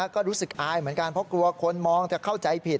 ก็รู้สึกอายเหมือนกันเพราะกลัวคนมองจะเข้าใจผิด